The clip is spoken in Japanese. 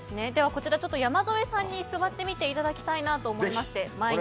こちら、山添さんに座ってみていただきたいなと思いまして。